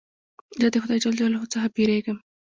زه د خدای جل جلاله څخه بېرېږم.